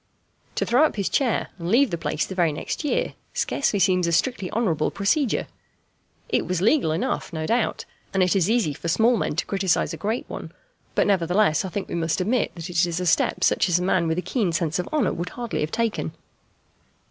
To throw up his chair and leave the place the very next year scarcely seems a strictly honourable procedure. It was legal enough no doubt, and it is easy for small men to criticize a great one, but nevertheless I think we must admit that it is a step such as a man with a keen sense of honour would hardly have taken.